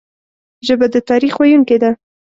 ژبه د تاریخ ویونکي ده